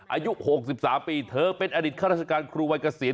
อายุ๖๓ปีเธอเป็นอดีตข้าราชการครูวัยเกษียณ